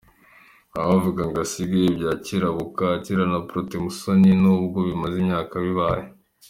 – Ntawavuga ngo asige ibya Kirabo Kakira na Protais Musoni n’ubwo bimaze imyaka bibaye!